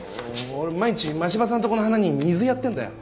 俺毎日真柴さんとこの花に水やってんだよ。